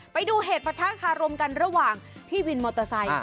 ไปดูเหตุประทะคารมกันระหว่างพี่วินมอเตอร์ไซค์